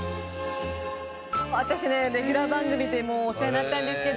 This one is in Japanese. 私ねレギュラー番組でお世話になったんですけど。